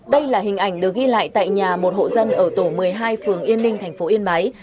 đây là hình ảnh được ghi lại tại nhà một hộ dân ở tổ một mươi hai phường yên ninh thành phố yên bái